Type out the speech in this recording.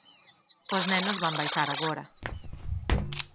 Os nenos van baixar agora.